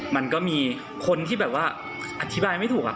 มันก็มีคนที่แบบว่าอธิบายไม่ถูก